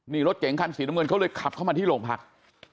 นี่รถเก๋งคันสีน้ำเงินเขาเลยขับเข้ามาที่โรงพัก